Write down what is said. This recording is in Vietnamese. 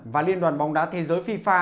và liên đoàn bóng đá thế giới fifa